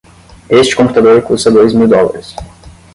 Este computador custa dois mil dólares.